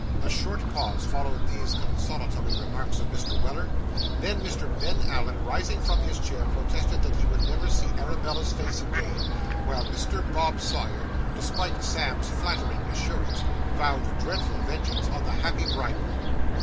A short pause followed these consolatory remarks of Mr. Weller. Then Mr. Ben Allen rising from his chair, protested that he would never see Arabella's face again; while Mr. Bob Sawyer, despite Sam's flattering assurance, vowed dreadful vengeance on the happy bridegroom.